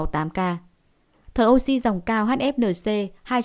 thở oxy dòng cao hfnc hai